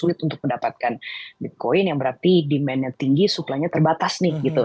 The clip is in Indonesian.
sulit untuk mendapatkan bitcoin yang berarti demand nya tinggi suplanya terbatas nih gitu